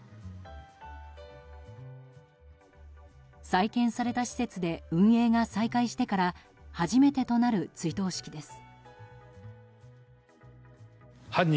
再建された施設で運営が再開してから初めてとなる追悼式です。